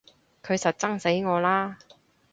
佢實憎死我啦！